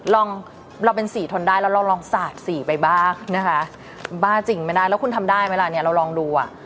ลองเราเป็นสีทนได้แล้วเราลองสาดสีไปบ้างนะคะบ้าจริงไม่ได้แล้วคุณทำได้ไหมล่ะเนี่ยเราลองดูอ่ะ